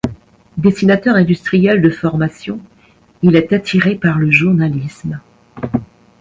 Dessinateur industriel de formation, il est attiré par le journalisme.